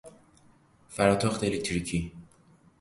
فراتاخت الکتریکی